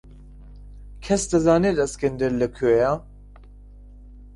کەس دەزانێت ئەسکەندەر لەکوێیە؟